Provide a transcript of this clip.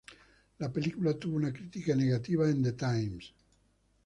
La película tuvo una crítica negativa en "The Times".